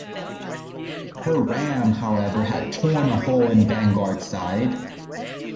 Her ram, however, had torn a hole in "Vanguard"s side.